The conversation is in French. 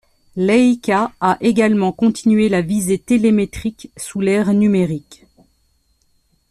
Leica a également continué la visée télémétrique sous l'ère numérique.